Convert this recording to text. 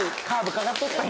かかっとったんよ